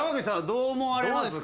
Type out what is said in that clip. どう思われます？